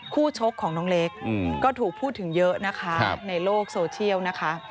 ชกของน้องเล็กก็ถูกพูดถึงเยอะนะคะในโลกโซเชียลนะคะ